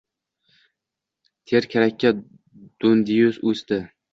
Ter karrakka do‘ndiyu o‘sdi.